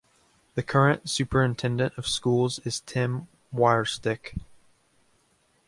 The current Superintendent of Schools is Tim Wyrosdick.